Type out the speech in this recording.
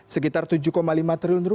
sekitar rp tujuh lima triliun